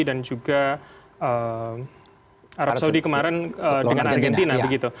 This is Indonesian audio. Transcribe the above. dan juga arab saudi kemarin dengan argentina begitu